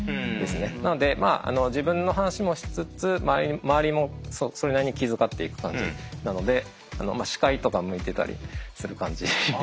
なので自分の話もしつつ周りもそれなりに気遣っていく感じなので司会とか向いてたりする感じですね。